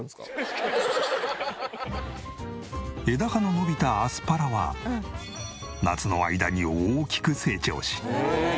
枝葉の伸びたアスパラは夏の間に大きく成長し。